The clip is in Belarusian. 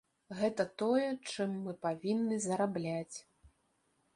Гэта тое, чым мы павінны зарабляць.